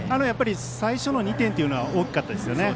最初の２点というのは大きかったですよね。